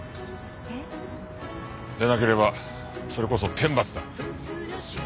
えっ？でなければそれこそ天罰だ。